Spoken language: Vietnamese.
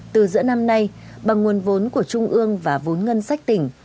từ giữa năm nay bằng nguồn vốn của trung ương và vốn ngân sách tỉnh